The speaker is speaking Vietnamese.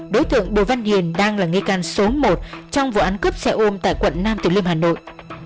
đối tượng bùi văn hiền đang là ngây can số một trong vụ án cướp xe ôm tại quận nam tử liêm hà nội